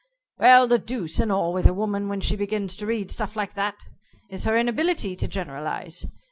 "Well, the deuce and all with a woman when she begins to read stuff like that is her inability to generalize.